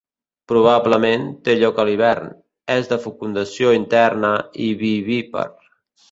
Probablement, té lloc a l'hivern, és de fecundació interna i vivípar.